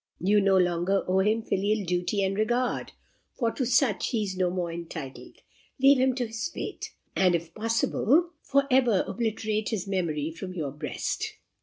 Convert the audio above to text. You no longer owe him filial duty and regard, for to such he is no more entitled. Leave him to his fate; and, if possible, for ever obliterate his memory from your breast."